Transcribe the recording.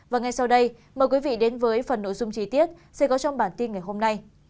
và ngay sau đây mời quý vị đến với phần nội dung chi tiết sẽ có trong bản tin ngày hôm nay